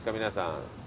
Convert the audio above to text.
皆さん。